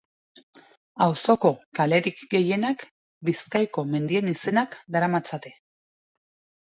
Auzoko kalerik gehienak Bizkaiko mendien izenak daramatzate.